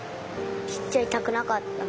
切っちゃいたくなかった。